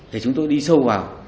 thì chúng tôi đi sâu vào